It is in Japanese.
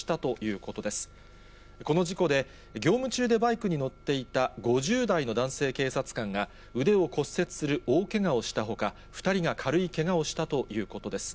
この事故で、業務中でバイクに乗っていた５０代の男性警察官が腕を骨折する大けがをしたほか、２人が軽いけがをしたということです。